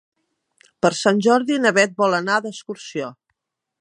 Per Sant Jordi na Bet vol anar d'excursió.